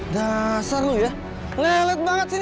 dasar lu ya lewat banget ini